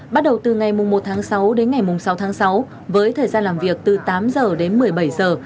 bắt đầu từ ngày một tháng sáu đến ngày sáu tháng sáu với thời gian làm việc từ tám giờ đến một mươi bảy giờ